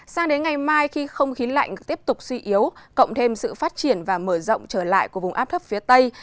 sang đến ngày mai khi không khí lạnh tiếp tục suy yếu cộng thêm sự phát triển và mở rộng trở lại của vùng áp thấp phía tây